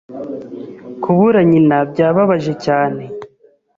Kubura nyina byababaje cyane.